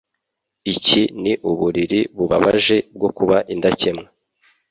Iki ni uburiri bubabaje bwo kuba indakemwa